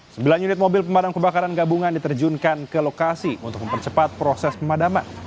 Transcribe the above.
sembilan unit mobil pemadam kebakaran gabungan diterjunkan ke lokasi untuk mempercepat proses pemadaman